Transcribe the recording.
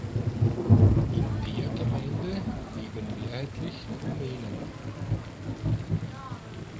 In der Gemeinde leben mehrheitlich Rumänen.